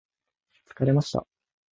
疲れました